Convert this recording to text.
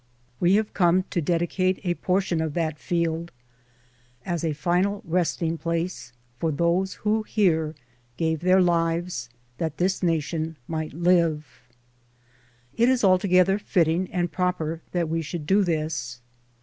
We have come to dedicate a portion of that field as a final resting place for those who here gave their lives that this nation might live. It is altogether fitting and proper that we should do this.